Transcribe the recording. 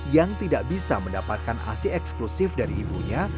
yang tidak bisa mendapatkan asi eksklusif dari ibunya